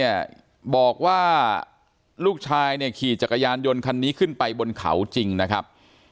เนี่ยบอกว่าลูกชายเนี่ยขี่จักรยานยนต์คันนี้ขึ้นไปบนเขาจริงนะครับ